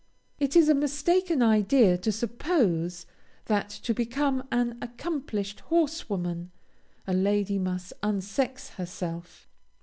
It is a mistaken idea to suppose that to become an accomplished horse woman a lady must unsex herself.